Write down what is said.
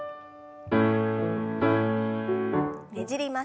ねじります。